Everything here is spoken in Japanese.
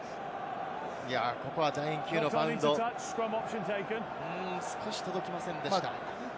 楕円球のバウンド、少し届きませんでした。